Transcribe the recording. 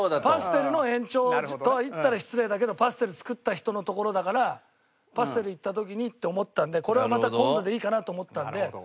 パステルの延長と言ったら失礼だけどパステル作った人のところだからパステル行った時にって思ったんでこれはまた今度でいいかなと思ったんで。